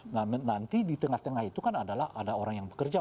nah nanti di tengah tengah itu kan adalah ada orang yang bekerja